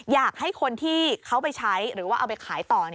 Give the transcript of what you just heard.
อยากให้คนที่เขาไปใช้หรือว่าเอาไปขายต่อ